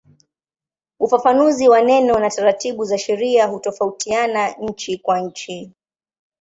Ufafanuzi wa neno na taratibu za sheria hutofautiana nchi kwa nchi.